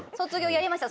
やりました。